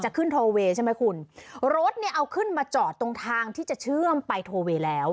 ขึ้นโทเวย์ใช่ไหมคุณรถเนี่ยเอาขึ้นมาจอดตรงทางที่จะเชื่อมไปโทเวย์แล้ว